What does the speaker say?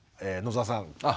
野沢さん